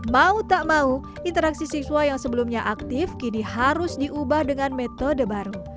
mau tak mau interaksi siswa yang sebelumnya aktif kini harus diubah dengan metode baru